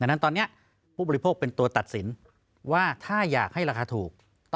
นั้นตอนนี้ผู้บริโภคเป็นตัวตัดสินว่าถ้าอยากให้ราคาถูก